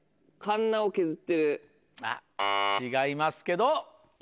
違いますけど。